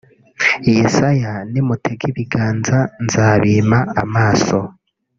Yesaya Nimutega ibiganza nzabima amaso